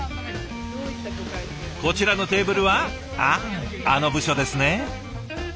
こちらのテーブルはああの部署ですね。